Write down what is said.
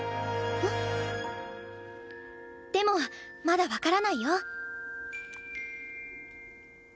あでもまだ分からないよ。